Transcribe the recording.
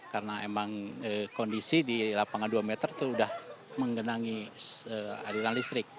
karena emang kondisi di lapangan dua meter itu sudah menggenangi adilan listrik